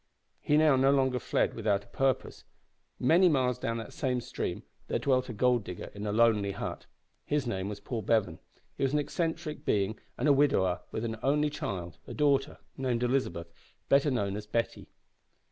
He now no longer fled without a purpose. Many miles down that same stream there dwelt a gold digger in a lonely hut. His name was Paul Bevan. He was an eccentric being, and a widower with an only child, a daughter, named Elizabeth better known as Betty.